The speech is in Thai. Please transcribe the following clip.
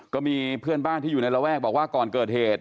ก็มีเพื่อนบ้านที่อยู่ในระแวกบอกว่าก่อนเกิดเหตุ